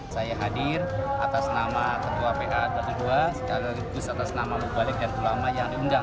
saya hadir atas nama ketua bpn dua ratus dua belas sekaligus atas nama bukbalik dan tulama yang diunggah